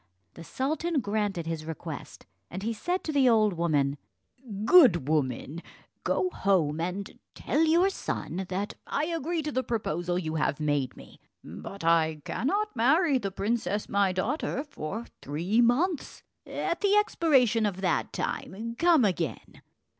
The sultan granted his request, and he said to the old woman, "Good woman, go home, and tell your son that I agree to the proposal you have made me; but I cannot marry the princess my daughter for three months; at the expiration of that time come again."